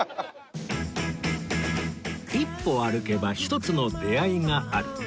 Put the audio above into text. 一歩歩けば一つの出会いがある